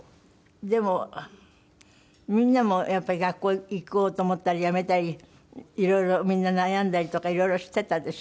でもみんなもやっぱり学校行こうと思ったり辞めたりいろいろみんな悩んだりとかいろいろしてたでしょ？